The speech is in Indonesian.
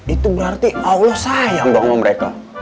itu berarti allah sayang bahwa mereka